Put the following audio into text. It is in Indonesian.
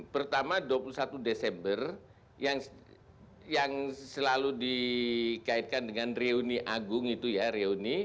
pertama dua puluh satu desember yang selalu dikaitkan dengan reuni agung itu ya reuni